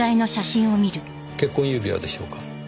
結婚指輪でしょうか？